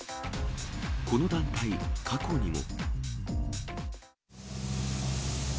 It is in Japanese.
この団体、過去にも。